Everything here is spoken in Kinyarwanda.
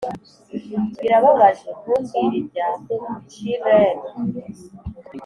birababaje! ntumbwire ibya chil'ren! "